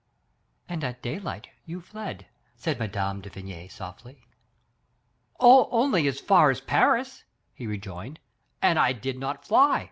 "And at daylight you fled," said Mme. de Vigny softly. "Only as far as Paris," he rejoined, "and I did not fly.